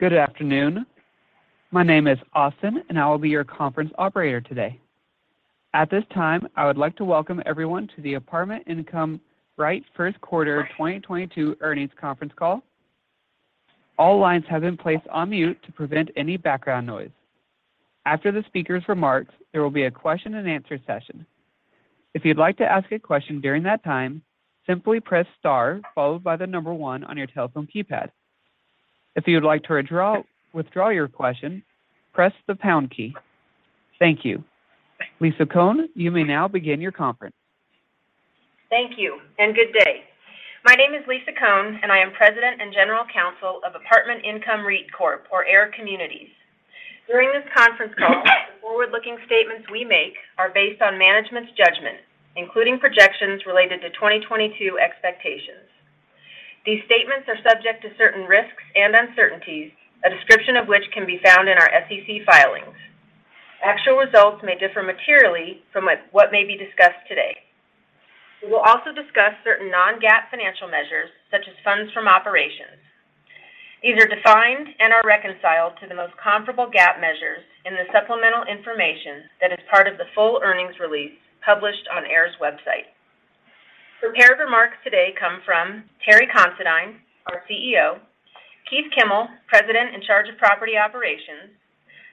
Good afternoon. My name is Austin, and I will be your conference operator today. At this time, I would like to welcome everyone to the Apartment Income REIT First Quarter 2022 Earnings Conference Call. All lines have been placed on mute to prevent any background noise. After the speaker's remarks, there will be a question and answer session. If you'd like to ask a question during that time, simply press star followed by the number one on your telephone keypad. If you would like to withdraw your question, press the pound key. Thank you. Lisa Cohn, you may now begin your conference. Thank you, and good day. My name is Lisa Cohn, and I am President and General Counsel of Apartment Income REIT Corp. or AIR Communities. During this conference call, the forward-looking statements we make are based on management's judgment, including projections related to 2022 expectations. These statements are subject to certain risks and uncertainties, a description of which can be found in our SEC filings. Actual results may differ materially from what may be discussed today. We will also discuss certain non-GAAP financial measures, such as funds from operations. These are defined and are reconciled to the most comparable GAAP measures in the supplemental information that is part of the full earnings release published on AIR's website. Prepared remarks today come from Terry Considine, our CEO, Keith Kimmel, President in charge of property operations,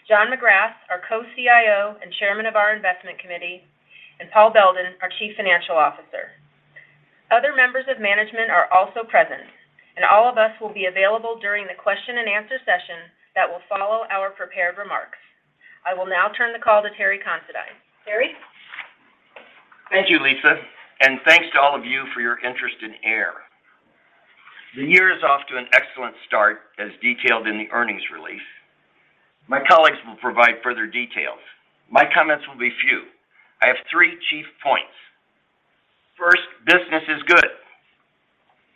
John McGrath, our Co-CIO and Chairman of our investment committee, and Paul Beldin, our Chief Financial Officer. Other members of management are also present, and all of us will be available during the question and answer session that will follow our prepared remarks. I will now turn the call to Terry Considine. Terry. Thank you, Lisa, and thanks to all of you for your interest in AIR. The year is off to an excellent start as detailed in the earnings release. My colleagues will provide further details. My comments will be few. I have three chief points. First, business is good.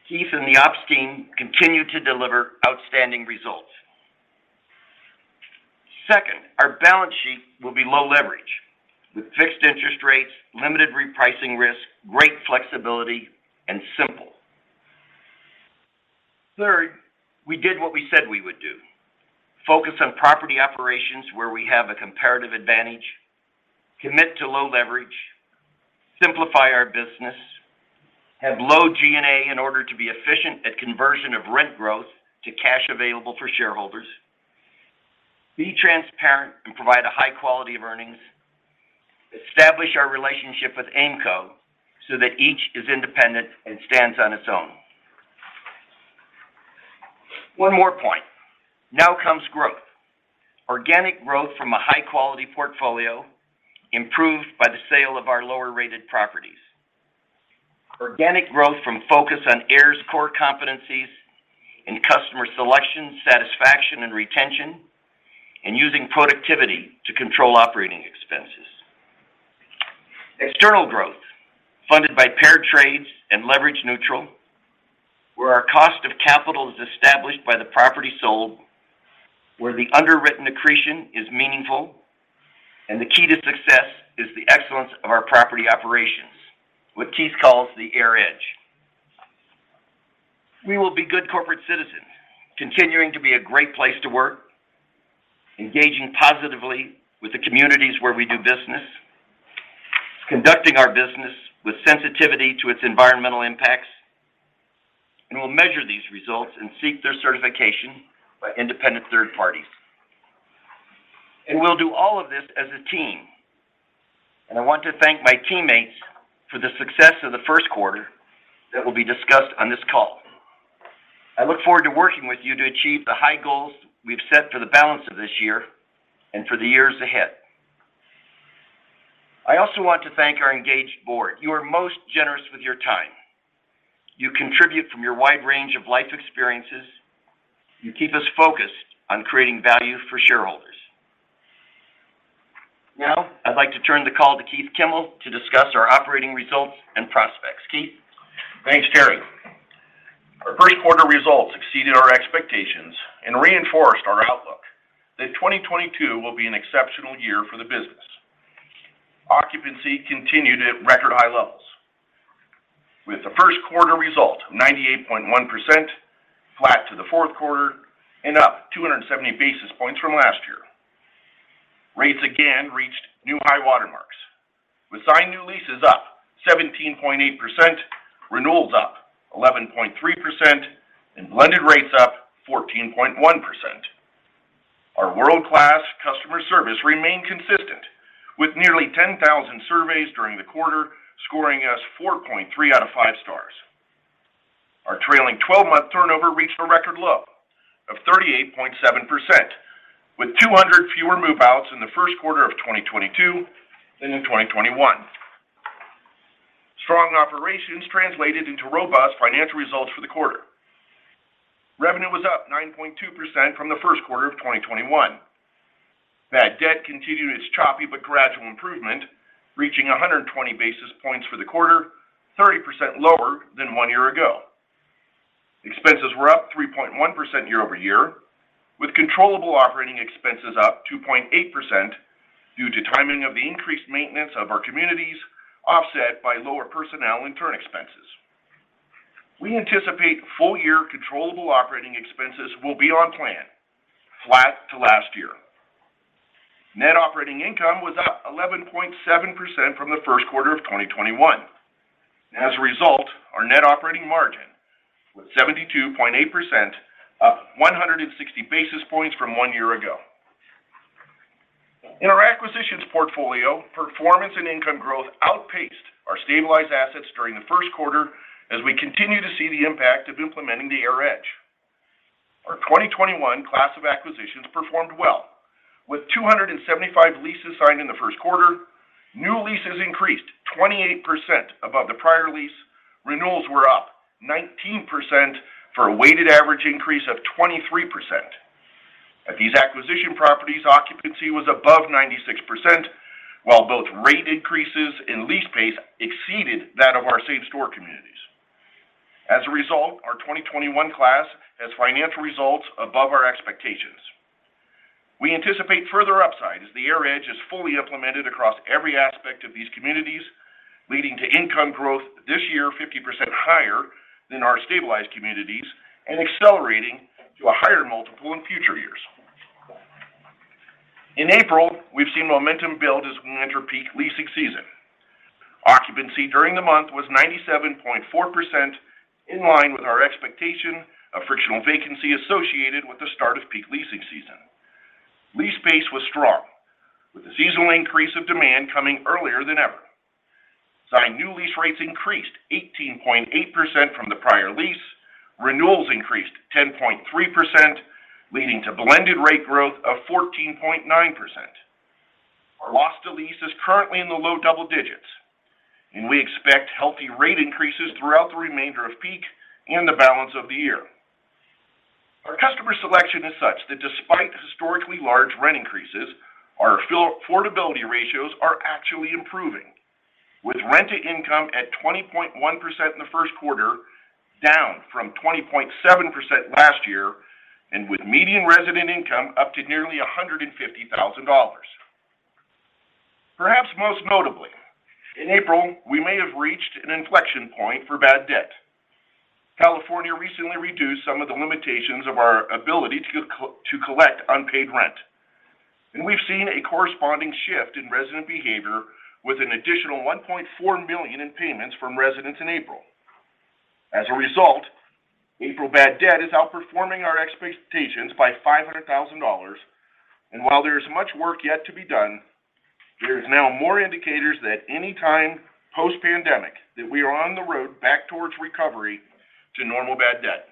Keith and the ops team continue to deliver outstanding results. Second, our balance sheet will be low leverage with fixed interest rates, limited repricing risk, great flexibility, and simple. Third, we did what we said we would do. Focus on property operations where we have a comparative advantage, commit to low leverage, simplify our business, have low G&A in order to be efficient at conversion of rent growth to cash available for shareholders, be transparent and provide a high quality of earnings, establish our relationship with Aimco so that each is independent and stands on its own. One more point. Now comes growth. Organic growth from a high-quality portfolio improved by the sale of our lower-rated properties. Organic growth from focus on AIR's core competencies in customer selection, satisfaction, and retention, and using productivity to control operating expenses. External growth funded by paired trades and leverage neutral, where our cost of capital is established by the property sold, where the underwritten accretion is meaningful, and the key to success is the excellence of our property operations, what Keith calls the AIR Edge. We will be good corporate citizens, continuing to be a great place to work, engaging positively with the communities where we do business, conducting our business with sensitivity to its environmental impacts, and we'll measure these results and seek their certification by independent third parties. We'll do all of this as a team, and I want to thank my teammates for the success of the first quarter that will be discussed on this call. I look forward to working with you to achieve the high goals we've set for the balance of this year and for the years ahead. I also want to thank our engaged board. You are most generous with your time. You contribute from your wide range of life experiences. You keep us focused on creating value for shareholders. Now, I'd like to turn the call to Keith Kimmel to discuss our operating results and prospects. Keith. Thanks, Terry. Our first quarter results exceeded our expectations and reinforced our outlook that 2022 will be an exceptional year for the business. Occupancy continued at record high levels with the first quarter result of 98.1%, flat to the fourth quarter and up 270 basis points from last year. Rates again reached new high watermarks, with signed new leases up 17.8%, renewals up 11.3%, and blended rates up 14.1%. Our world-class customer service remained consistent with nearly 10,000 surveys during the quarter, scoring us 4.3 out of 5 stars. Our trailing twelve-month turnover reached a record low of 38.7%, with 200 fewer move-outs in the first quarter of 2022 than in 2021. Strong operations translated into robust financial results for the quarter. Revenue was up 9.2% from the first quarter of 2021. Net debt continued its choppy but gradual improvement, reaching 120 basis points for the quarter, 30% lower than one year ago. Expenses were up 3.1% year over year, with controllable operating expenses up 2.8% due to timing of the increased maintenance of our communities, offset by lower personnel and turn expenses. We anticipate full-year controllable operating expenses will be on plan, flat to last year. Net operating income was up 11.7% from the first quarter of 2021. As a result, our net operating margin was 72.8%, up 160 basis points from one year ago. In our acquisitions portfolio, performance and income growth outpaced our stabilized assets during the first quarter as we continue to see the impact of implementing the AIR Edge. Our 2021 class of acquisitions performed well, with 275 leases signed in the first quarter. New leases increased 28% above the prior lease. Renewals were up 19% for a weighted average increase of 23%. At these acquisition properties, occupancy was above 96%, while both rate increases and lease pace exceeded that of our same-store communities. As a result, our 2021 class has financial results above our expectations. We anticipate further upside as the AIR Edge is fully implemented across every aspect of these communities, leading to income growth this year 50% higher than our stabilized communities and accelerating to a higher multiple in future years. In April, we've seen momentum build as we enter peak leasing season. Occupancy during the month was 97.4%, in line with our expectation of frictional vacancy associated with the start of peak leasing season. Lease pace was strong, with the seasonal increase of demand coming earlier than ever. Signed new lease rates increased 18.8% from the prior lease. Renewals increased 10.3%, leading to blended rate growth of 14.9%. Our loss to lease is currently in the low double digits, and we expect healthy rate increases throughout the remainder of peak and the balance of the year. Our customer selection is such that despite historically large rent increases, our affordability ratios are actually improving. With rent-to-income at 20.1% in the first quarter, down from 20.7% last year, and with median resident income up to nearly $150,000. Perhaps most notably, in April, we may have reached an inflection point for bad debt. California recently reduced some of the limitations of our ability to to collect unpaid rent, and we've seen a corresponding shift in resident behavior with an additional $1.4 million in payments from residents in April. As a result, April bad debt is outperforming our expectations by $500,000. While there is much work yet to be done, there is now more indicators that anytime post-pandemic that we are on the road back towards recovery to normal bad debt.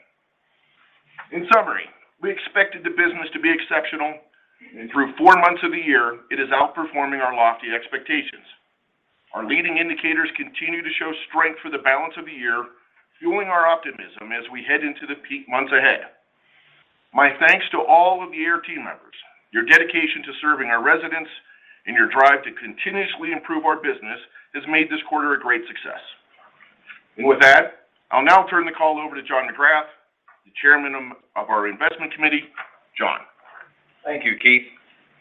In summary, we expected the business to be exceptional, and through four months of the year, it is outperforming our lofty expectations. Our leading indicators continue to show strength for the balance of the year, fueling our optimism as we head into the peak months ahead. My thanks to all of the AIR team members. Your dedication to serving our residents and your drive to continuously improve our business has made this quarter a great success. With that, I'll now turn the call over to John McGrath, the Chairman of our Investment Committee. John. Thank you, Keith.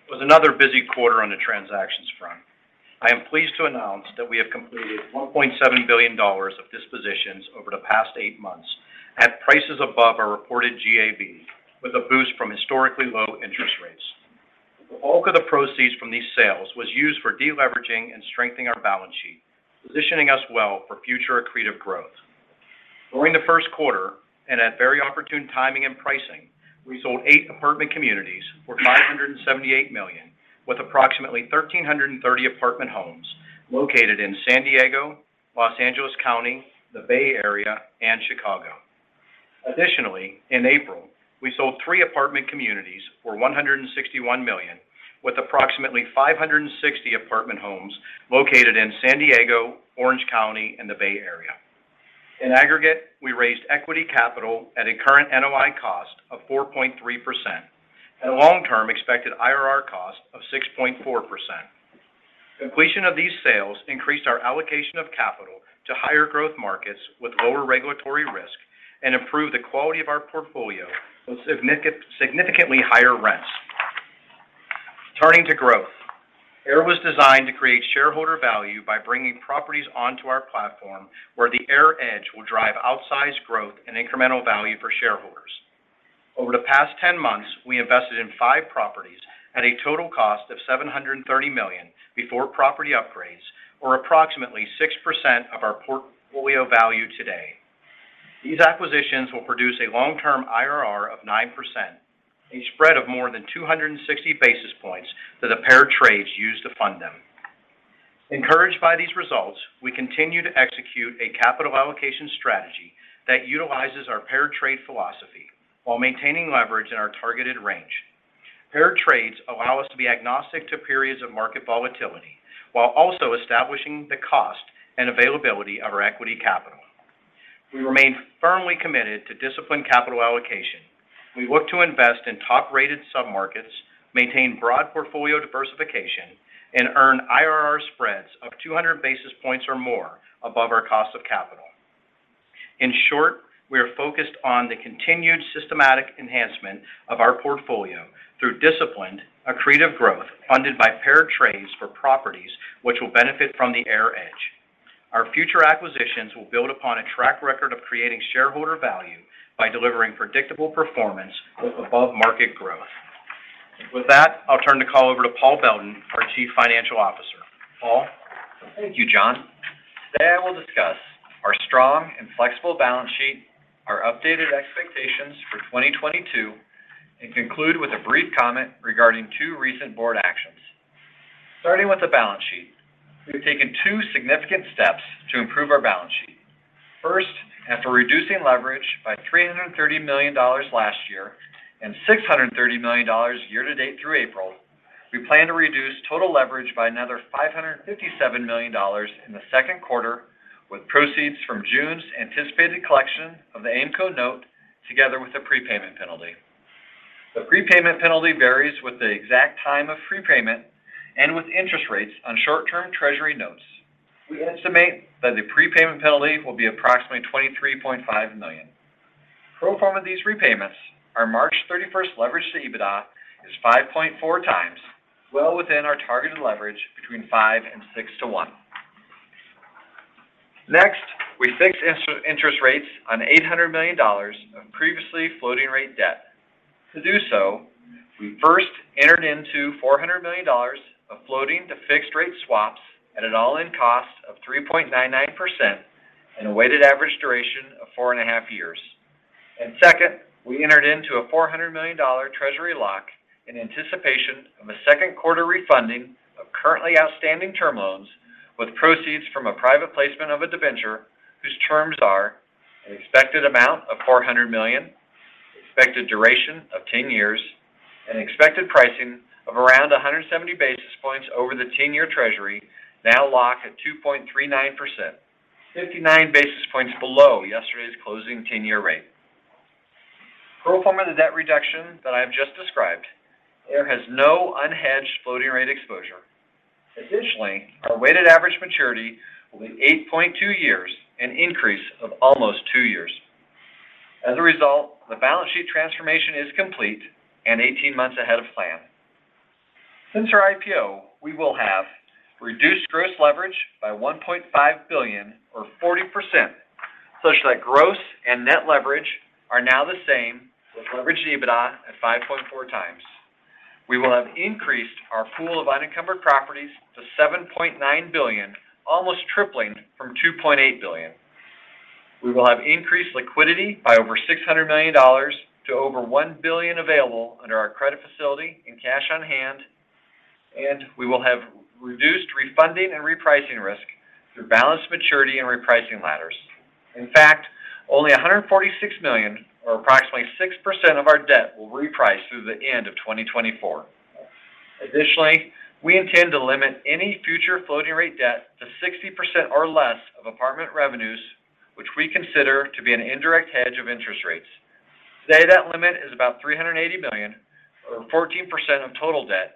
It was another busy quarter on the transactions front. I am pleased to announce that we have completed $1.7 billion of dispositions over the past eight months at prices above our reported GAV, with a boost from historically low interest rates. The bulk of the proceeds from these sales was used for deleveraging and strengthening our balance sheet, positioning us well for future accretive growth. During the first quarter, and at very opportune timing and pricing, we sold eight apartment communities for $578 million, with approximately 1,330 apartment homes located in San Diego, Los Angeles County, the Bay Area, and Chicago. Additionally, in April, we sold three apartment communities for $161 million, with approximately 560 apartment homes located in San Diego, Orange County, and the Bay Area. In aggregate, we raised equity capital at a current NOI cost of 4.3% and a long-term expected IRR cost of 6.4%. Completion of these sales increased our allocation of capital to higher growth markets with lower regulatory risk and improved the quality of our portfolio with significantly higher rents. Turning to growth, AIR was designed to create shareholder value by bringing properties onto our platform where the AIR Edge will drive outsized growth and incremental value for shareholders. Over the past 10 months, we invested in 5 properties at a total cost of $730 million before property upgrades or approximately 6% of our portfolio value today. These acquisitions will produce a long-term IRR of 9%, a spread of more than 260 basis points to the paired trades used to fund them. Encouraged by these results, we continue to execute a capital allocation strategy that utilizes our paired trade philosophy while maintaining leverage in our targeted range. Paired trades allow us to be agnostic to periods of market volatility while also establishing the cost and availability of our equity capital. We remain firmly committed to disciplined capital allocation. We look to invest in top-rated submarkets, maintain broad portfolio diversification, and earn IRR spreads of 200 basis points or more above our cost of capital. In short, we are focused on the continued systematic enhancement of our portfolio. Through disciplined, accretive growth funded by paired trades for properties which will benefit from the AIR Edge. Our future acquisitions will build upon a track record of creating shareholder value by delivering predictable performance with above-market growth. With that, I'll turn the call over to Paul Beldin, our Chief Financial Officer. Paul. Thank you, John. Today, I will discuss our strong and flexible balance sheet, our updated expectations for 2022, and conclude with a brief comment regarding two recent board actions. Starting with the balance sheet. We've taken two significant steps to improve our balance sheet. First, after reducing leverage by $330 million last year and $630 million year-to-date through April, we plan to reduce total leverage by another $557 million in the second quarter, with proceeds from June's anticipated collection of the Aimco note together with the prepayment penalty. The prepayment penalty varies with the exact time of prepayment and with interest rates on short-term Treasury notes. We estimate that the prepayment penalty will be approximately $23.5 million. Pro forma these repayments, our March 31st leverage to EBITDA is 5.4x, well within our targeted leverage between 5x and 6x. Next, we fixed interest rates on $800 million of previously floating-rate debt. To do so, we first entered into $400 million of floating to fixed-rate swaps at an all-in cost of 3.99% and a weighted average duration of 4.5 years. Second, we entered into a $400 million Treasury lock in anticipation of a second quarter refunding of currently outstanding term loans with proceeds from a private placement of a debenture whose terms are an expected amount of $400 million, expected duration of 10 years, and expected pricing of around 170 basis points over the 10-year Treasury, now locked at 2.39%, 59 basis points below yesterday's closing 10-year rate. Pro forma the debt reduction that I have just described, AIR has no unhedged floating rate exposure. Additionally, our weighted average maturity will be 8.2 years, an increase of almost 2 years. As a result, the balance sheet transformation is complete and 18 months ahead of plan. Since our IPO, we will have reduced gross leverage by $1.5 billion or 40%, such that gross and net leverage are now the same with leverage to EBITDA at 5.4x. We will have increased our pool of unencumbered properties to $7.9 billion, almost tripling from $2.8 billion. We will have increased liquidity by over $600 million to over $1 billion available under our credit facility in cash on hand, and we will have reduced refunding and repricing risk through balanced maturity and repricing ladders. In fact, only $146 million or approximately 6% of our debt will reprice through the end of 2024. Additionally, we intend to limit any future floating-rate debt to 60% or less of apartment revenues, which we consider to be an indirect hedge of interest rates. Today, that limit is about $380 million or 14% of total debt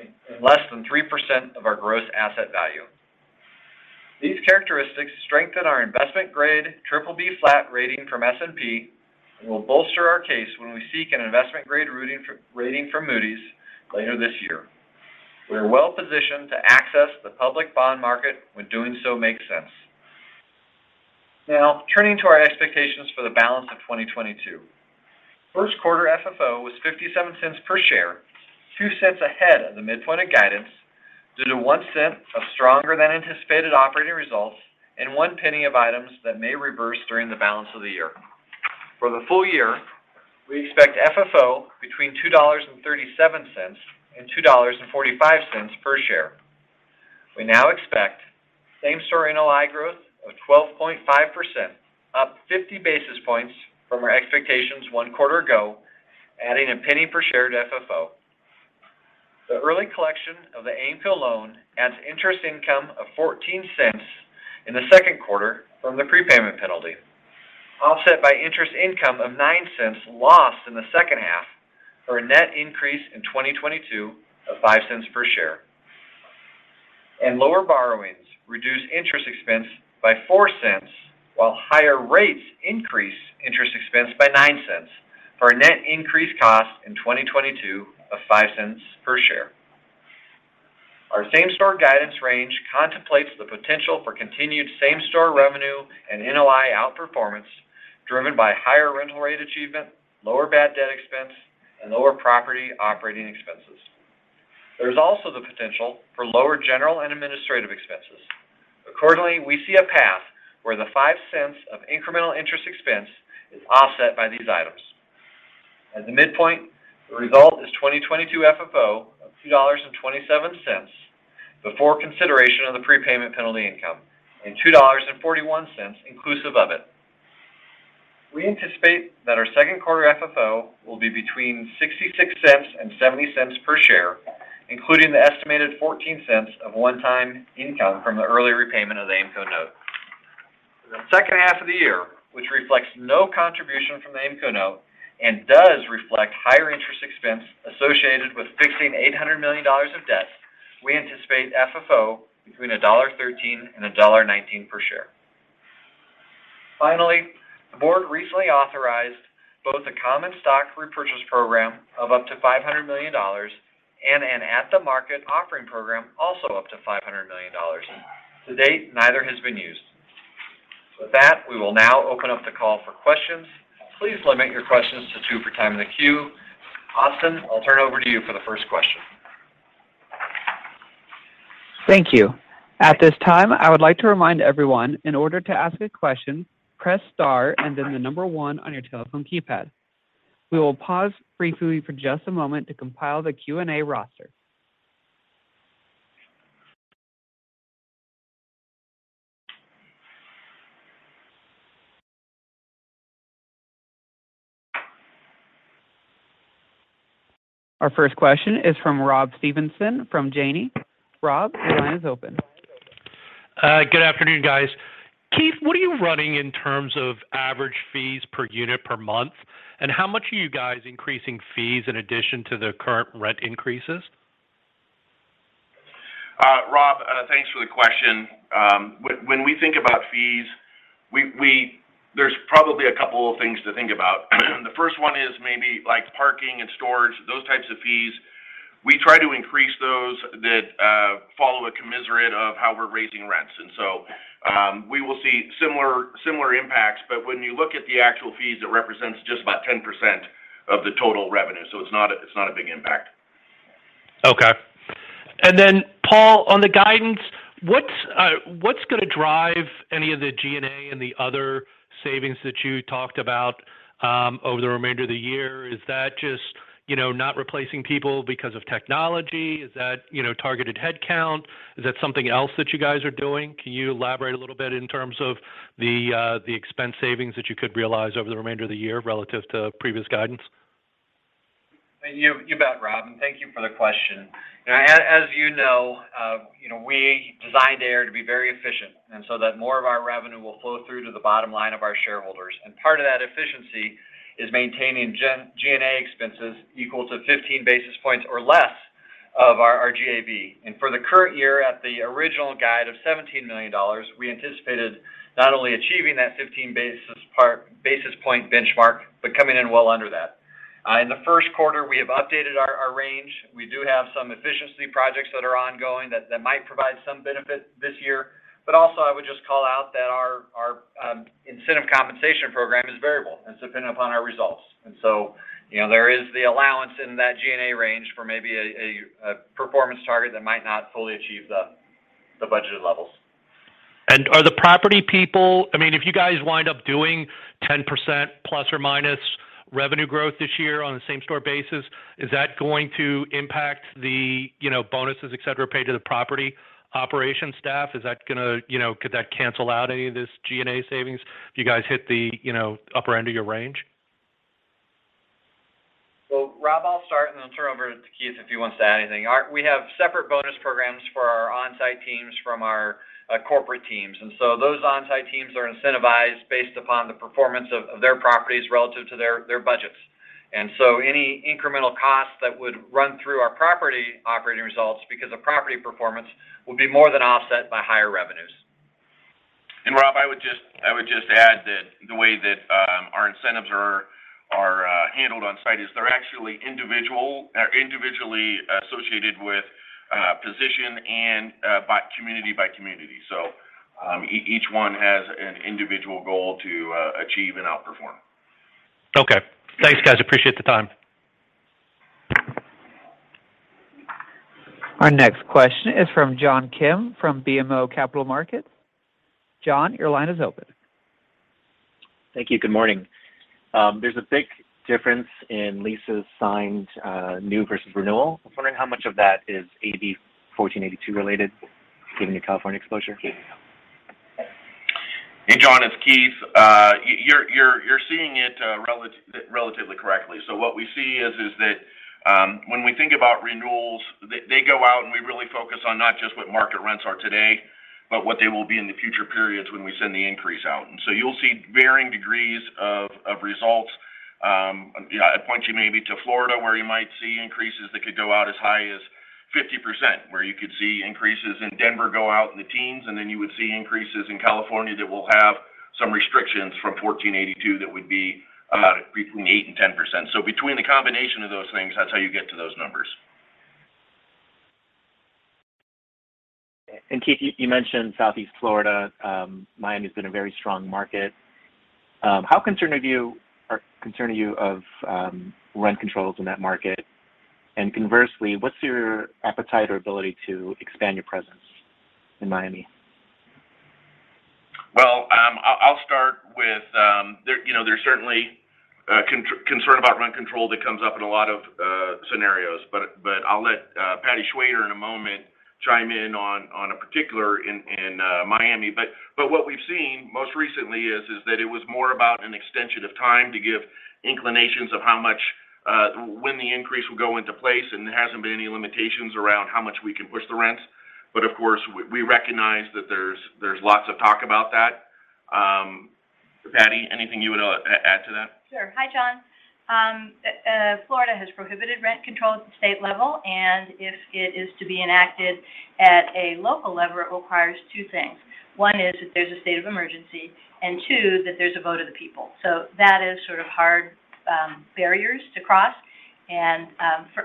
and less than 3% of our gross asset value. These characteristics strengthen our investment-grade BBB flat rating from S&P and will bolster our case when we seek an investment-grade rating from Moody's later this year. We are well positioned to access the public bond market when doing so makes sense. Now, turning to our expectations for the balance of 2022. First quarter FFO was $0.57 per share, $0.02 ahead of the midpoint of guidance due to $0.01 of stronger than anticipated operating results and $0.01 of items that may reverse during the balance of the year. For the full year, we expect FFO between $2.37 and $2.45 per share. We now expect same-store NOI growth of 12.5%, up 50 basis points from our expectations one quarter ago, adding $0.01 per share to FFO. The early collection of the Aimco loan adds interest income of $0.14 in the second quarter from the prepayment penalty, offset by interest income of $0.09 lost in the second half for a net increase in 2022 of $0.05 per share. Lower borrowings reduce interest expense by $0.04 while higher rates increase interest expense by $0.09 for a net increased cost in 2022 of $0.05 per share. Our same-store guidance range contemplates the potential for continued same-store revenue and NOI outperformance driven by higher rental rate achievement, lower bad debt expense, and lower property operating expenses. There's also the potential for lower general and administrative expenses. Accordingly, we see a path where the $0.05 of incremental interest expense is offset by these items. At the midpoint, the result is 2022 FFO of $2.27 before consideration of the prepayment penalty income and $2.41 inclusive of it. We anticipate that our second quarter FFO will be between $0.66 and $0.70 per share, including the estimated $0.14 of one-time income from the early repayment of the Aimco note. For the second half of the year, which reflects no contribution from the Aimco note and does reflect higher interest expense associated with fixing $800 million of debt, we anticipate FFO between $1.13 and $1.19 per share. Finally, the board recently authorized both a common stock repurchase program of up to $500 million and an at-the-market offering program also up to $500 million. To date, neither has been used. With that, we will now open up the call for questions. Please limit your questions to two for time in the queue. Austin, I'll turn it over to you for the first question. Thank you. At this time, I would like to remind everyone in order to ask a question, press star and then the number one on your telephone keypad. We will pause briefly for just a moment to compile the Q&A roster. Our first question is from Rob Stevenson from Janney. Rob, your line is open. Good afternoon, guys. Keith, what are you running in terms of average fees per unit per month? How much are you guys increasing fees in addition to the current rent increases? Robert, thanks for the question. When we think about fees, there's probably a couple of things to think about. The first one is maybe like parking and storage, those types of fees. We try to increase those that follow a commensurate of how we're raising rents. We will see similar impacts. When you look at the actual fees, it represents just about 10% of the total revenue, so it's not a big impact. Okay. Then Paul, on the guidance, what's gonna drive any of the G&A and the other savings that you talked about over the remainder of the year? Is that just, you know, not replacing people because of technology? Is that, you know, targeted headcount? Is that something else that you guys are doing? Can you elaborate a little bit in terms of the expense savings that you could realize over the remainder of the year relative to previous guidance? You bet, Robert, and thank you for the question. As you know, you know, we designed AIR to be very efficient, and so that more of our revenue will flow through to the bottom line of our shareholders. Part of that efficiency is maintaining G&A expenses equal to 15 basis points or less of our GAV. For the current year at the original guide of $17 million, we anticipated not only achieving that 15 basis point benchmark, but coming in well under that. In the first quarter, we have updated our range. We do have some efficiency projects that are ongoing that might provide some benefit this year. Also I would just call out that our incentive compensation program is variable and it's dependent upon our results. You know, there is the allowance in that G&A range for maybe a performance target that might not fully achieve the budgeted levels. Are the property people? I mean, if you guys wind up doing 10% ± revenue growth this year on the same store basis, is that going to impact the, you know, bonuses, et cetera, paid to the property operation staff? Is that gonna? You know, could that cancel out any of this G&A savings if you guys hit the, you know, upper end of your range? Robert, I'll start and then turn over to Keith if he wants to add anything. We have separate bonus programs for our on-site teams from our corporate teams. Those on-site teams are incentivized based upon the performance of their properties relative to their budgets. Any incremental costs that would run through our property operating results because of property performance will be more than offset by higher revenues. Robert, I would just add that the way that our incentives are handled on site is they're actually individual. They're individually associated with position and by community. Each one has an individual goal to achieve and outperform. Okay. Thanks, guys. Appreciate the time. Our next question is from John Kim from BMO Capital Markets. John, your line is open. Thank you. Good morning. There's a big difference in leases signed, new versus renewal. I was wondering how much of that is AB 1482 related, given your California exposure? Hey, John, it's Keith. You're seeing it relatively correctly. What we see is that when we think about renewals, they go out, and we really focus on not just what market rents are today, but what they will be in the future periods when we send the increase out. You'll see varying degrees of results. You know, I'd point you maybe to Florida, where you might see increases that could go out as high as 50%, where you could see increases in Denver go out in the teens, and then you would see increases in California that will have some restrictions from AB 1482 that would be about between 8% and 10%. Between the combination of those things, that's how you get to those numbers. Keith, you mentioned Southeast Florida. Miami has been a very strong market. How concerned are you of rent controls in that market? Conversely, what's your appetite or ability to expand your presence in Miami? Well, I'll start with that. You know, there's certainly concern about rent control that comes up in a lot of scenarios. I'll let Patti Shwayder in a moment chime in on a particular instance in Miami. What we've seen most recently is that it was more about an extension of time to give indications of how much when the increase will go into place, and there hasn't been any limitations around how much we can push the rents. Of course, we recognize that there's lots of talk about that. Patty, anything you would add to that? Sure. Hi, John. Florida has prohibited rent control at the state level, and if it is to be enacted at a local level, it requires two things. One is that there's a state of emergency, and two, that there's a vote of the people. That is sort of hard barriers to cross.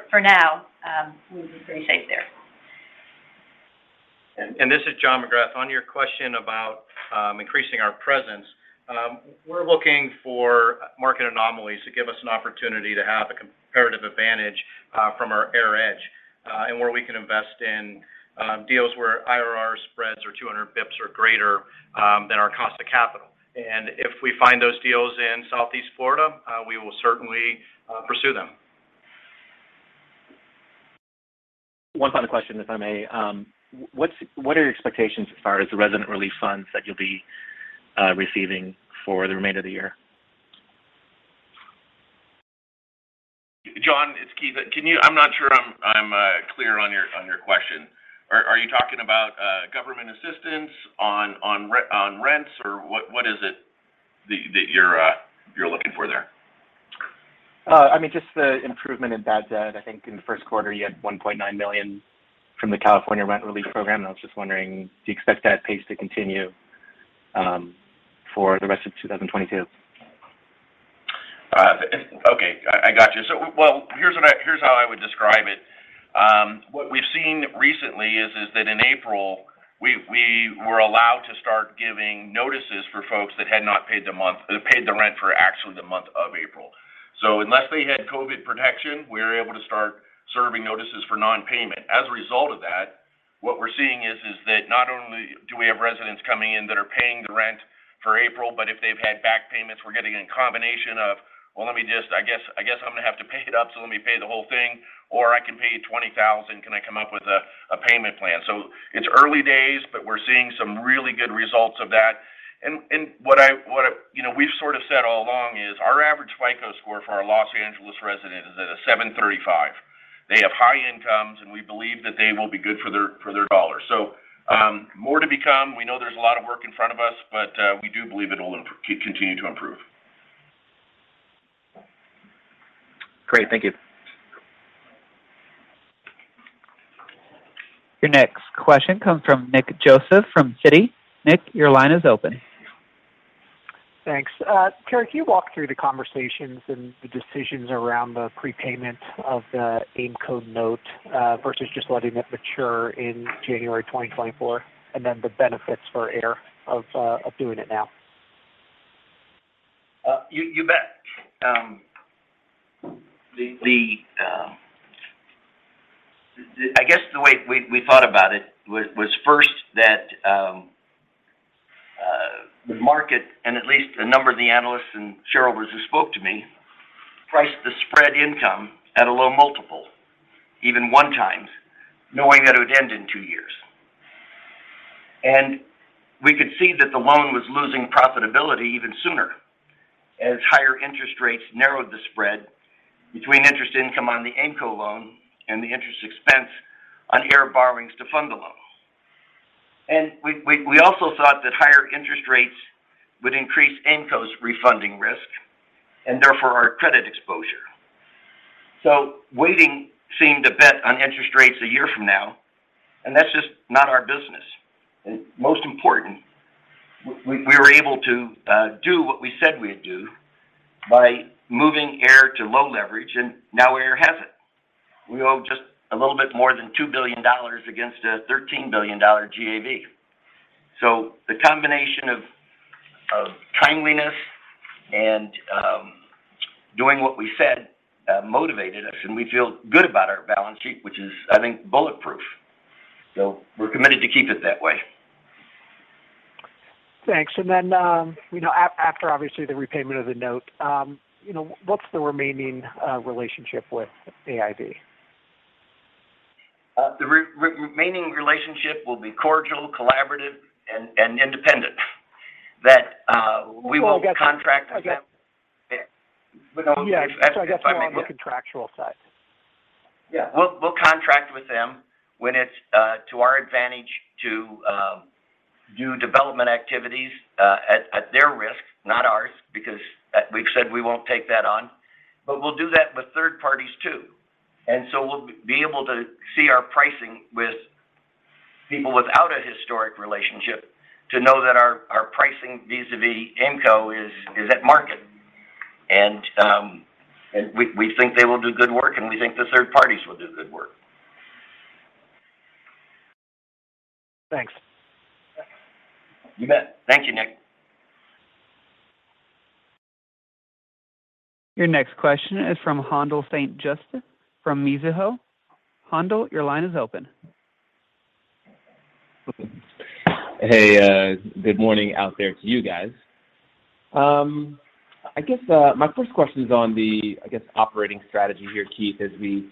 For now, we're pretty safe there. This is John McGrath. On your question about increasing our presence, we're looking for market anomalies to give us an opportunity to have a comparative advantage from our AIR Edge, and where we can invest in deals where IRR spreads of 200 basis points or greater than our cost of capital. If we find those deals in Southeast Florida, we will certainly pursue them. One final question, if I may. What are your expectations as far as the resident relief funds that you'll be receiving for the remainder of the year? John, it's Keith. I'm not sure I'm clear on your question. Are you talking about government assistance on rents? Or what is it that you're looking for there? I mean, just the improvement in bad debt. I think in the first quarter, you had $1.9 million from the California Rent Relief Program, and I was just wondering, do you expect that pace to continue for the rest of 2022? Okay. I got you. Here's how I would describe it. What we've seen recently is that in April, we were allowed to start giving notices for folks that had not paid the rent for actually the month of April. Unless they had COVID protection, we're able to start serving notices for non-payment. As a result of that, what we're seeing is that not only do we have residents coming in that are paying the rent for April, but if they've had back payments, we're getting a combination of, "Well, let me just I guess I'm gonna have to pay it up, so let me pay the whole thing," or, "I can pay you $20,000. Can I come up with a payment plan?" It's early days, but we're seeing some really good results of that. What I, you know, we've sort of said all along is our average FICO score for our Los Angeles resident is at 735. They have high incomes, and we believe that they will be good for their dollar. More to come. We know there's a lot of work in front of us, but we do believe it will continue to improve. Great. Thank you. Your next question comes from Nick Joseph from Citi. Nick, your line is open. Thanks. Terry, can you walk through the conversations and the decisions around the prepayment of the Aimco note versus just letting it mature in January 2024, and then the benefits for AIR of doing it now? You bet. The way we thought about it was first that the market and at least a number of the analysts and shareholders who spoke to me priced the spread income at a low multiple, even 1x, knowing that it would end in two years. We could see that the loan was losing profitability even sooner as higher interest rates narrowed the spread between interest income on the Aimco loan and the interest expense on AIR borrowings to fund the loan. We also thought that higher interest rates would increase Aimco's refunding risk, and therefore our credit exposure. Waiting seemed a bet on interest rates a year from now, and that's just not our business. Most important, we were able to do what we said we'd do by moving AIR to low leverage, and now AIR has it. We owe just a little bit more than $2 billion against a $13 billion GAV. The combination of timeliness and doing what we said motivated us, and we feel good about our balance sheet, which is, I think, bulletproof. We're committed to keep it that way. Thanks. After obviously the repayment of the note, you know, what's the remaining relationship with AIV? The remaining relationship will be cordial, collaborative, and independent. That we will contract with them- Well, I guess. Okay. Only if I may. Yeah. Sorry. I guess more on the contractual side. Yeah. We'll contract with them when it's to our advantage to do development activities at their risk, not ours, because we've said we won't take that on. We'll do that with third parties too. We'll be able to see our pricing with people without a historic relationship to know that our pricing vis-à-vis Aimco is at market. We think they will do good work, and we think the third parties will do good work. Thanks. You bet. Thank you, Nick. Your next question is from Haendel St. Juste from Mizuho. Handel, your line is open. Hey, good morning out there to you guys. I guess my first question is on the, I guess, operating strategy here, Keith. As we,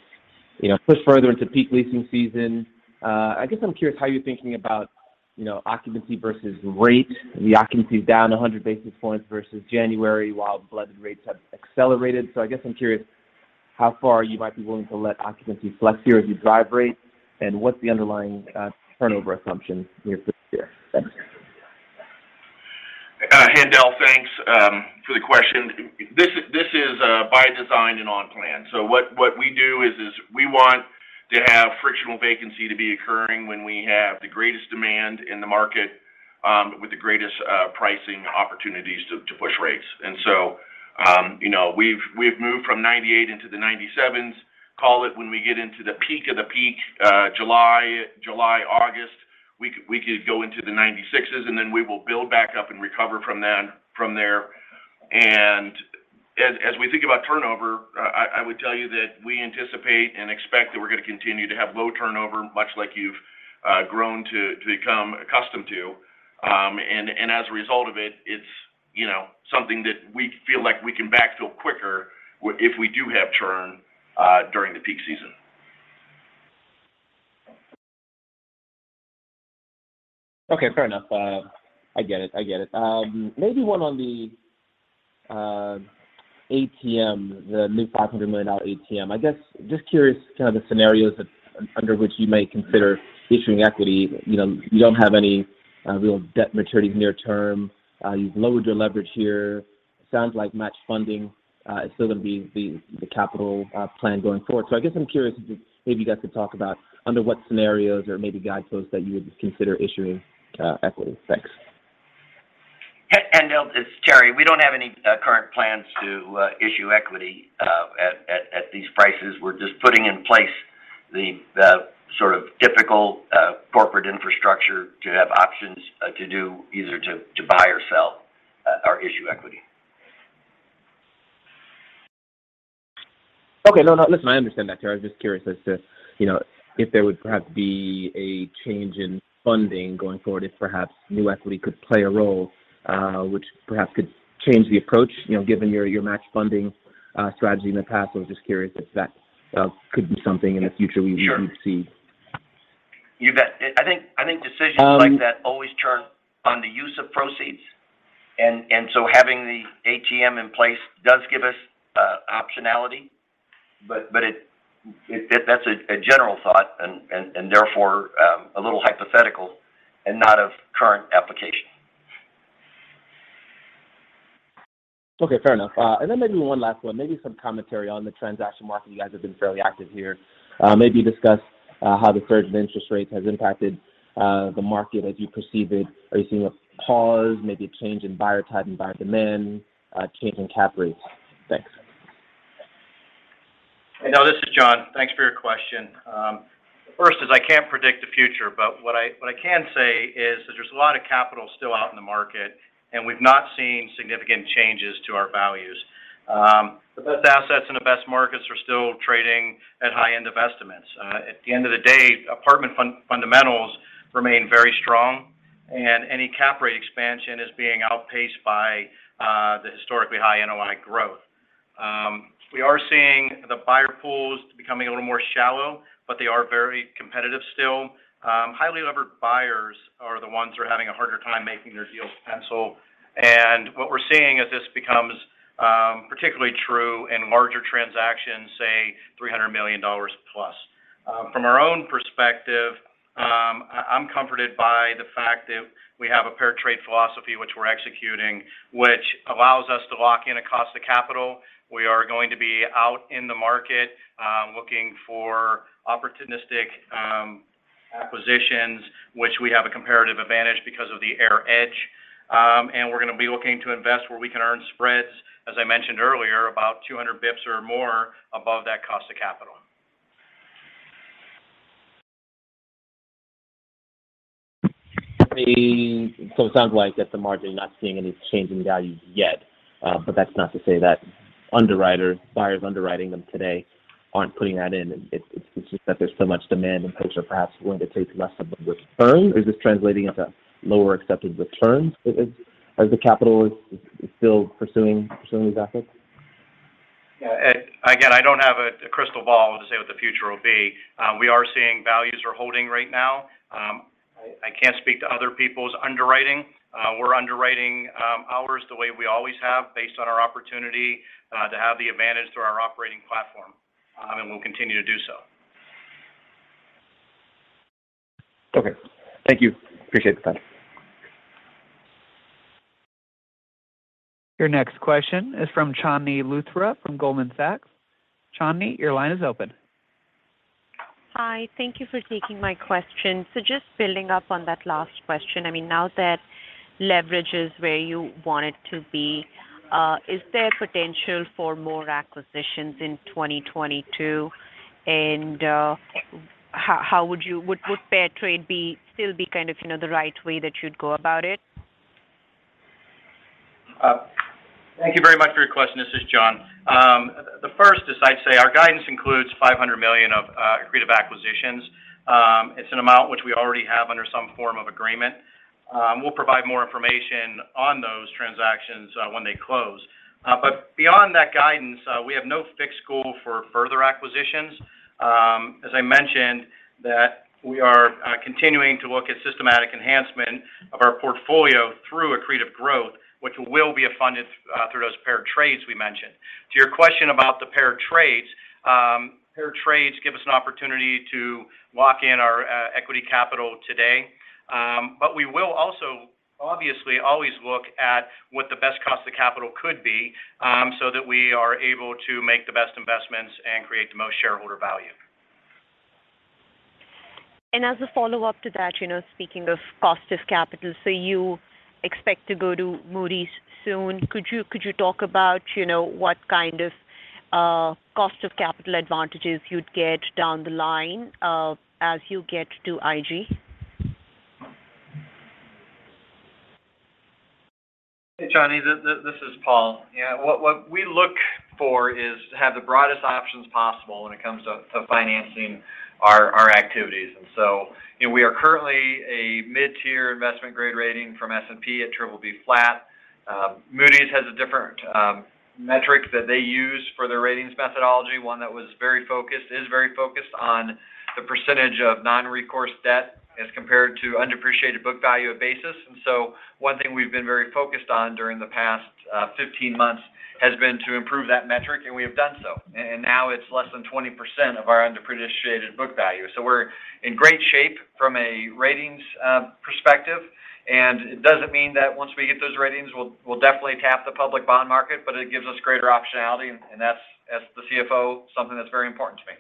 you know, push further into peak leasing season, I guess I'm curious how you're thinking about, you know, occupancy versus rate. The occupancy is down 100 basis points versus January, while blended rates have accelerated. I guess I'm curious how far you might be willing to let occupancy flex here as you drive rate, and what's the underlying turnover assumption here for this year? Thanks. Haendel, thanks for the question. This is by design and on plan. What we do is we want to have frictional vacancy to be occurring when we have the greatest demand in the market, with the greatest pricing opportunities to push rates. You know, we've moved from 98% into the 97%. Call it when we get into the peak of the peak, July, August, we could go into the 96%, and then we will build back up and recover from there. As we think about turnover, I would tell you that we anticipate and expect that we're gonna continue to have low turnover, much like you've grown to become accustomed to. As a result of it's you know something that we feel like we can backfill quicker if we do have churn during the peak season. Okay, fair enough. I get it. Maybe one on the ATM, the new $500 million ATM. I guess just curious kind of the scenarios under which you may consider issuing equity. You know, you don't have any real debt maturities near term. You've lowered your leverage here. Sounds like match funding is still gonna be the capital plan going forward. So I guess I'm curious if maybe you guys could talk about under what scenarios or maybe guideposts that you would consider issuing equity. Thanks. Hi Haendel, it's Terry. We don't have any current plans to issue equity at these prices. We're just putting in place the sort of difficult corporate infrastructure to have options to buy or sell or issue equity. Okay. No, no, listen, I understand that, Terry. I was just curious as to, you know, if there would perhaps be a change in funding going forward, if perhaps new equity could play a role, which perhaps could change the approach, you know, given your match funding strategy in the past. I was just curious if that could be something in the future. Sure. would see. You bet. I think decisions like that always turn on the use of proceeds. Having the ATM in place does give us optionality. That's a general thought and therefore a little hypothetical and not of current application. Okay. Fair enough. Maybe one last one. Maybe some commentary on the transaction market. You guys have been fairly active here. Maybe discuss how the surge in interest rates has impacted the market as you perceive it. Are you seeing a pause, maybe a change in buyer type and buyer demand, a change in cap rates? Thanks. You know, this is John. Thanks for your question. First, I can't predict the future, but what I can say is that there's a lot of capital still out in the market, and we've not seen significant changes to our values. The best assets in the best markets are still trading at high end of estimates. At the end of the day, apartment fundamentals remain very strong, and any cap rate expansion is being outpaced by the historically high NOI growth. We are seeing the buyer pools becoming a little more shallow, but they are very competitive still. Highly levered buyers are the ones who are having a harder time making their deals pencil. What we're seeing is this becomes particularly true in larger transactions, say $300 million plus. From our own perspective, I'm comforted by the fact that we have a pair trade philosophy, which we're executing, which allows us to lock in a cost of capital. We are going to be out in the market, looking for opportunistic, acquisitions, which we have a comparative advantage because of the AIR Edge. We're gonna be looking to invest where we can earn spreads, as I mentioned earlier, about 200 bps or more above that cost of capital. It sounds like at the margin, you're not seeing any change in values yet. That's not to say that underwriters, buyers underwriting them today aren't putting that in. It's just that there's so much demand and perhaps willing to take less of the return. Is this translating into lower accepted returns as the capital is still pursuing these assets? Yeah. Again, I don't have a crystal ball to say what the future will be. We are seeing values are holding right now. I can't speak to other people's underwriting. We're underwriting ours the way we always have based on our opportunity to have the advantage through our operating platform, and we'll continue to do so. Okay. Thank you. Appreciate the time. Your next question is from Chandni Luthra from Goldman Sachs. Chandni, your line is open. Hi. Thank you for taking my question. Just building up on that last question, I mean, now that leverage is where you want it to be, is there potential for more acquisitions in 2022? Would pair trade be still kind of, you know, the right way that you'd go about it? Thank you very much for your question. This is John. The first is I'd say our guidance includes $500 million of accretive acquisitions. It's an amount which we already have under some form of agreement. We'll provide more information on those transactions when they close. Beyond that guidance, we have no fixed goal for further acquisitions. As I mentioned, that we are continuing to look at systematic enhancement of our portfolio through accretive growth, which will be funded through those pair trades we mentioned. To your question about the paired trades, paired trades give us an opportunity to lock in our equity capital today. We will also obviously always look at what the best cost of capital could be, so that we are able to make the best investments and create the most shareholder value. As a follow-up to that, you know, speaking of cost of capital, so you expect to go to Moody's soon. Could you talk about, you know, what kind of cost of capital advantages you'd get down the line, as you get to IG? Hey, Chandni Luthra, this is Paul Beldin. Yeah. What we look for is to have the broadest options possible when it comes to financing our activities. You know, we are currently a mid-tier investment grade rating from S&P at BBB. Moody's has a different metric that they use for their ratings methodology, one that was very focused, is very focused on the percentage of non-recourse debt as compared to undepreciated book value or basis. One thing we've been very focused on during the past 15 months has been to improve that metric, and we have done so. Now it's less than 20% of our undepreciated book value. We're in great shape from a ratings perspective. It doesn't mean that once we get those ratings, we'll definitely tap the public bond market, but it gives us greater optionality, and that's, as the CFO, something that's very important to me.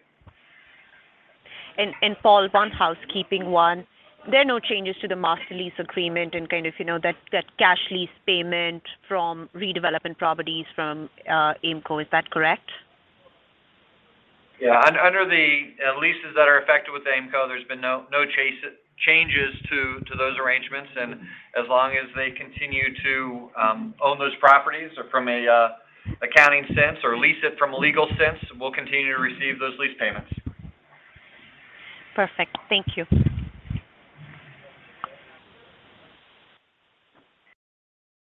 Paul, one housekeeping one. There are no changes to the master lease agreement and kind of, you know, that cash lease payment from redevelopment properties from Aimco, is that correct? Yeah. Under the leases that are affected with Aimco, there's been no changes to those arrangements. As long as they continue to own those properties or from an accounting sense or lease it from a legal sense, we'll continue to receive those lease payments. Perfect. Thank you.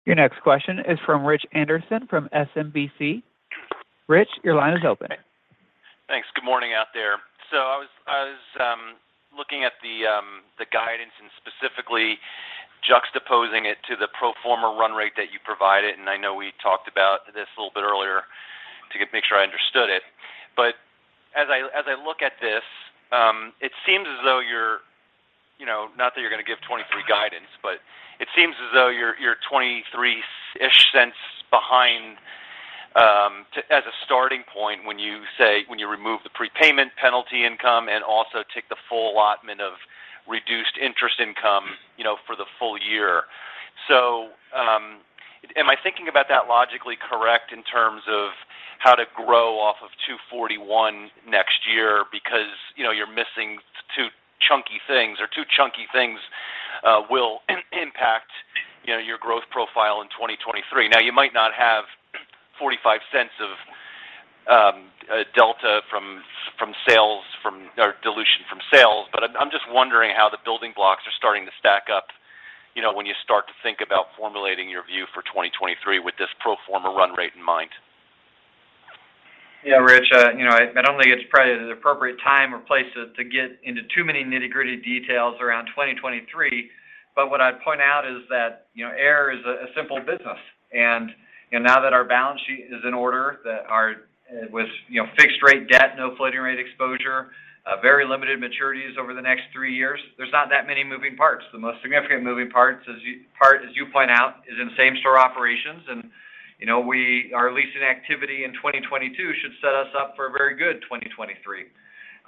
Your next question is from Richard Anderson from SMBC. Richard, your line is open. Thanks. Good morning out there. I was looking at the guidance and specifically juxtaposing it to the pro forma run rate that you provided, and I know we talked about this a little bit earlier to make sure I understood it. As I look at this, it seems as though you're, you know, not that you're gonna give 2023 guidance, but it seems as though you're $0.23-ish behind as a starting point when you say when you remove the prepayment penalty income and also take the full allotment of reduced interest income, you know, for the full year. Am I thinking about that logically correct in terms of how to grow off of $2.41 next year because, you know, you're missing two chunky things that will impact, you know, your growth profile in 2023? Now, you might not have $0.45 of delta from sales or dilution from sales, but I'm just wondering how the building blocks are starting to stack up, you know, when you start to think about formulating your view for 2023 with this pro forma run rate in mind. Yeah, Richard. You know, I don't think it's probably the appropriate time or place to get into too many nitty-gritty details around 2023, but what I'd point out is that, you know, AIR is a simple business. You know, now that our balance sheet is in order, with fixed rate debt, no floating rate exposure, very limited maturities over the next three years, there's not that many moving parts. The most significant moving parts, as you point out, is in same store operations. You know, our leasing activity in 2022 should set us up for a very good 2023.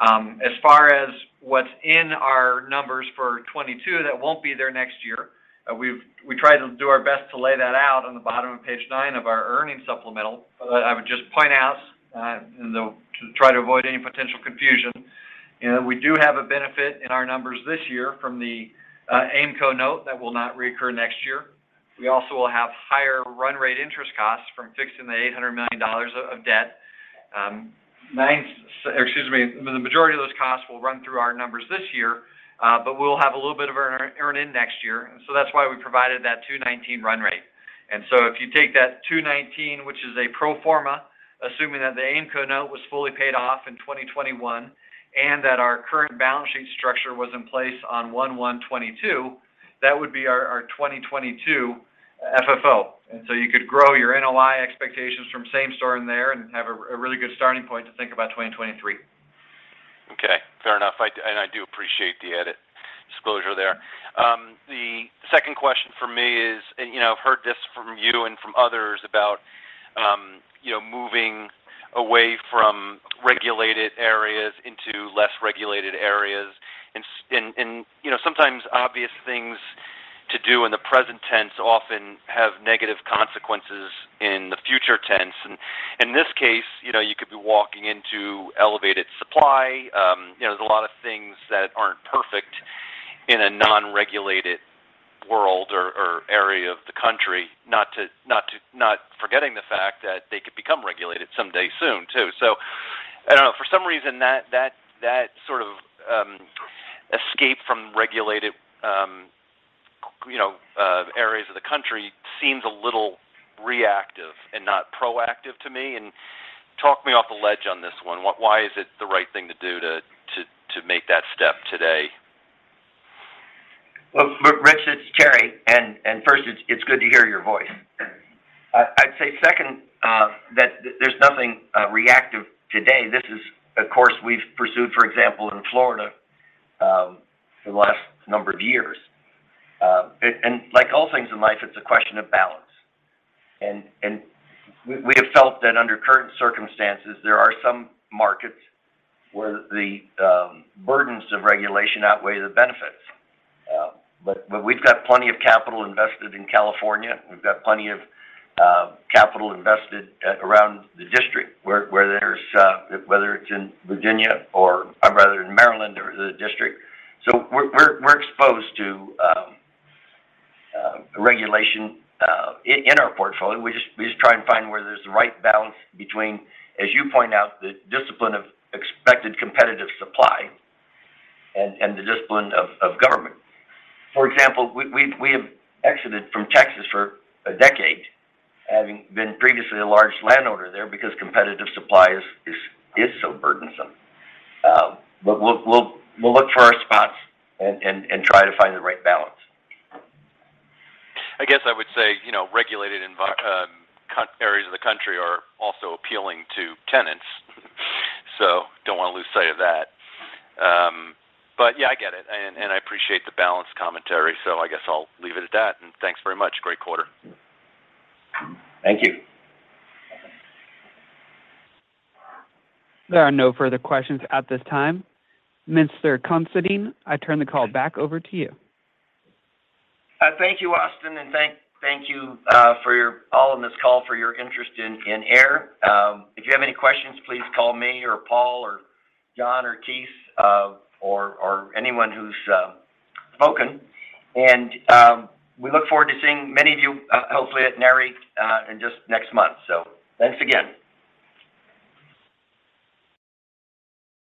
As far as what's in our numbers for 2022 that won't be there next year, we try to do our best to lay that out on the bottom of page 9 of our earnings supplemental. I would just point out, and to try to avoid any potential confusion, you know, we do have a benefit in our numbers this year from the Aimco note that will not recur next year. We also will have higher run rate interest costs from fixing the $800 million of debt. The majority of those costs will run through our numbers this year, but we'll have a little bit of earn in next year. That's why we provided that 219 run rate. If you take that $2.19, which is a pro forma, assuming that the Aimco note was fully paid off in 2021 and that our current balance sheet structure was in place on 1/1/2022, that would be our 2022 FFO. You could grow your NOI expectations from same store in there and have a really good starting point to think about 2023. Okay. Fair enough. I do appreciate the edit disclosure there. The second question from me is, you know, I've heard this from you and from others about, you know, moving away from regulated areas into less regulated areas. Sometimes obvious things to do in the present tense often have negative consequences in the future tense. In this case, you know, you could be walking into elevated supply. You know, there's a lot of things that aren't perfect in a non-regulated world or area of the country, not forgetting the fact that they could become regulated someday soon, too. I don't know, for some reason, that sort of escape from regulated areas of the country seems a little reactive and not proactive to me. Talk me off the ledge on this one. Why is it the right thing to do to make that step today? Well, look, Richard, it's Terry. First, it's good to hear your voice. I'd say second, that there's nothing reactive today. This is a course we've pursued, for example, in Florida, for the last number of years. Like all things in life, it's a question of balance. We have felt that under current circumstances, there are some markets where the burdens of regulation outweigh the benefits. We've got plenty of capital invested in California. We've got plenty of capital invested at, around the district where there's whether it's in Virginia or rather in Maryland or the district. We're exposed to regulation in our portfolio. We just try and find where there's the right balance between, as you point out, the discipline of expected competitive supply and the discipline of government. For example, we have exited from Texas for a decade, having been previously a large landowner there because competitive supply is so burdensome. We'll look for our spots and try to find the right balance. I guess I would say, you know, regulated areas of the country are also appealing to tenants, so don't wanna lose sight of that. Yeah, I get it, and I appreciate the balanced commentary, so I guess I'll leave it at that. Thanks very much. Great quarter. Thank you. There are no further questions at this time. Mister Considine, I turn the call back over to you. Thank you, Austin, and thank you all on this call for your interest in AIR. If you have any questions, please call me or Paul or John or Keith or anyone who's spoken. We look forward to seeing many of you hopefully at Nareit in just next month. Thanks again.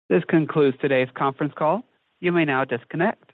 This concludes today's conference call. You may now disconnect.